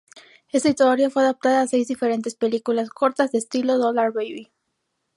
Esta historia fue adaptada a seis diferentes películas cortas de estilo Dollar Baby.